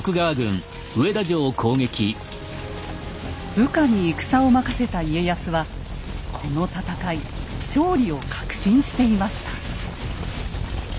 部下に戦を任せた家康はこの戦い勝利を確信していました。